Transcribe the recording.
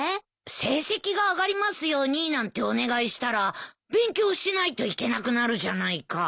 「成績が上がりますように」なんてお願いしたら勉強しないといけなくなるじゃないか。